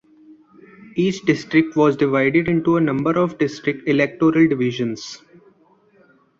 Each district was divided into a number of District Electoral Divisions.